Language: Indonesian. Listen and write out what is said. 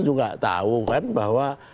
juga tahu kan bahwa